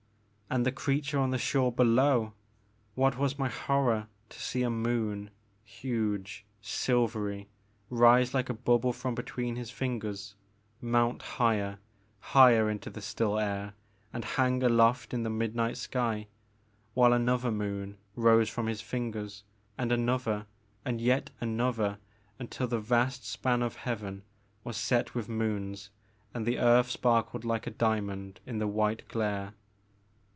And the creature on the shore below ! What was my horror to see a moon, huge, silvery, rise like a bubble from between his fingers, mount higher, higher into the still air and hang aloft in the midnight sky, while another moon rose from his fingers, and another and yet another until the vast span of Heaven was set with moons and the earth sparkled like a diamond in the white glare.